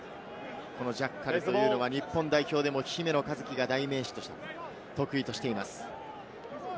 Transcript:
ジャッカルというのは日本代表でも姫野和樹が代名詞として得意としています。